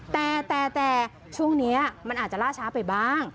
แต่แต่ช่วงนี้มันอาจจะล่าช้าไปบ้าง